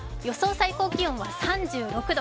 最高気温は３６度。